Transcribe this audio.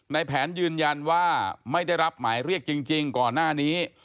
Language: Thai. ในแผนยืนยันว่าไม่ได้รับหมายเรียกจริงก่อนหน้านี้